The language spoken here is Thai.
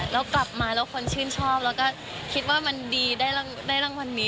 แล้วกลับมาแล้วคนชื่นชอบแล้วก็คิดว่ามันดีได้รางวัลนี้